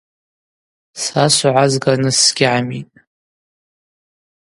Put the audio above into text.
Са согӏа згарныс сгьгӏамитӏ.